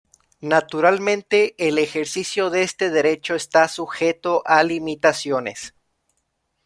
Naturalmente, el ejercicio de este derecho está sujeto a limitaciones.